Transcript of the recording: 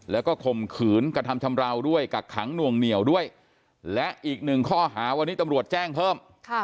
แล้วก็ข่มขืนกระทำชำราวด้วยกักขังหน่วงเหนียวด้วยและอีกหนึ่งข้อหาวันนี้ตำรวจแจ้งเพิ่ม